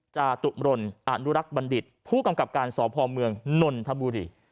จาตุรนต์อนุรักษ์บัณฑิษฐ์ผู้กำกับการสอบภอมเมืองนนทบุรี